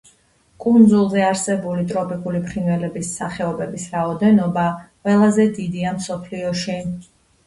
კუნძულზე არსებული ტროპიკული ფრინველების სახეობების რაოდენობა ყველაზე დიდია მსოფლიოში.